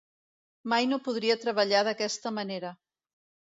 Mai no podria treballar d'aquesta manera.